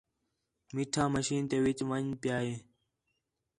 میٹھا مشین تے وِچ ون٘ڄ پِیا ہے